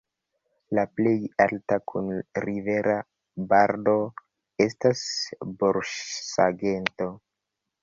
La plej alta, kun rivera barbo, estas borsagento.